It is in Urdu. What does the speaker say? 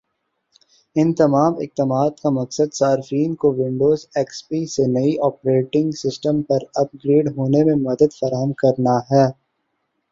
ان تمام اقدامات کا مقصد صارفین کو ونڈوز ایکس پی سے نئے آپریٹنگ سسٹم پر اپ گریڈ ہونے میں مدد فراہم کرنا ہے